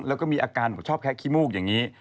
แล้วก็มีอาการแบบชอบแคะขี้มูกอย่างนี้